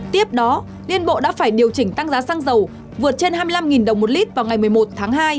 tiếp đó liên bộ đã phải điều chỉnh tăng giá xăng dầu vượt trên hai mươi năm đồng một lít vào ngày một mươi một tháng hai